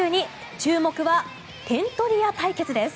注目は点取り屋対決です。